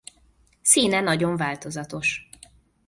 Színe nagyon változatos.